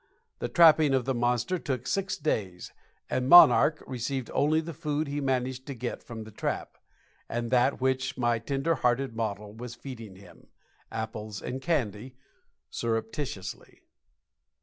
The trapping of the monster took six days, and "Monarch" received only the food he managed to get from the trap, and that which my tender hearted model was feeding him (apples and candy) surreptitiously.